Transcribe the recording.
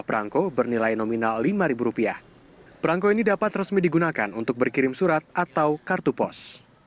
perangko prisma adalah perangko yang digunakan untuk berkirim surat atau kartu pos